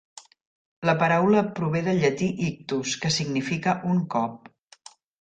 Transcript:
La paraula prové del llatí "ictus", que significa un cop.